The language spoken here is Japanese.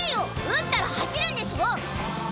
打ったら走るんでしょ！